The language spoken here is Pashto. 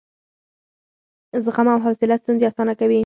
زغم او حوصله ستونزې اسانه کوي.